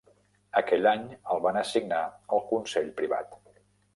Aquell any, el van assignar al consell privat.